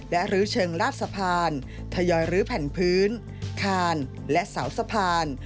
และรื้อเชิงลาดสะพานทยอยรื้อแผ่นพื้นคานและเสาสะพาน